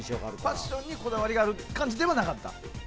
ファッションにこだわりがある感じではなかった？